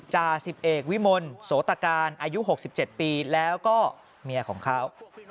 จ่าสิบเอกวิมลโสตการอายุ๖๗ปีแล้วก็เมียของเขา